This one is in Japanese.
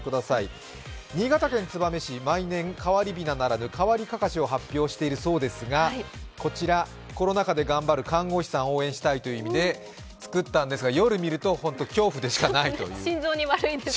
新潟県燕市、毎年変わりびなならぬ変わりかかしを発表しているそうですが、こちら、コロナ禍で頑張る看護師さんを応援したいという意味で作ったんですけど、夜見ると、本当に恐怖でしかないということで。